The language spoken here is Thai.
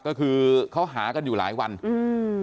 ก็คือเขาหากันอยู่หลายวันอืม